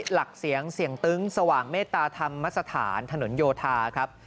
หลักเสียงเสียงตึ้งสว่างเมตตาธรรมสถานถนนโยธาครับ